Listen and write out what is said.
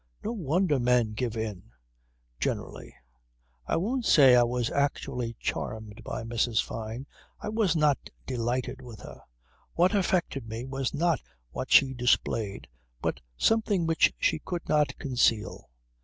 No wonder men give in generally. I won't say I was actually charmed by Mrs. Fyne. I was not delighted with her. What affected me was not what she displayed but something which she could not conceal.